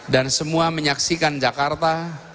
dan semua menyaksikan jakarta